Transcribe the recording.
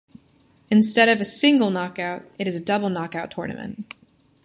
Instead of single knockout, it is a double knockout tournament.